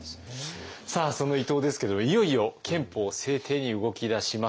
さあその伊藤ですけどもいよいよ憲法制定に動き出します。